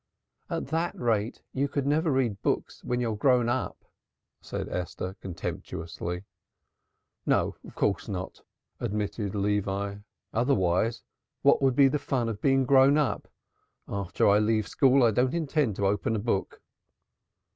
"At that rate you could never read books when you're grown up," said Esther contemptuously. "No, of course not," admitted Levi. "Otherwise where would be the fun of being grown up? After I leave school I don't intend to open a book."